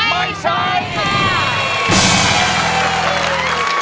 ไม่ใช่ค่ะ